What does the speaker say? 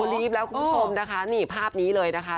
รีบแล้วคุณผู้ชมนะคะนี่ภาพนี้เลยนะคะ